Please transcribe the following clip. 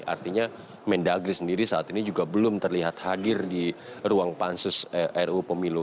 artinya mendagri sendiri saat ini juga belum terlihat hadir di ruang pansus ruu pemilu